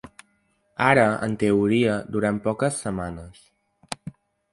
Ara, en teoria, durant poques setmanes.